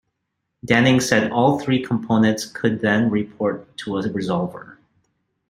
Denning said all three components could then report to a resolver.